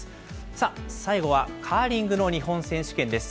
さあ、最後はカーリングの日本選手権です。